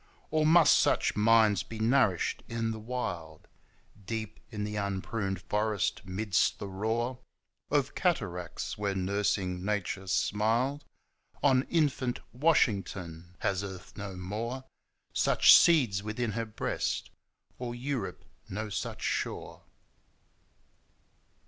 Or must such minds be nourished in the wild, Deep in the unpruned forest, midst the roar Of cataracts, where nursing nature smiled On infant Washington? Has Earth no more Such seeds within her breast, or Europe no such shore?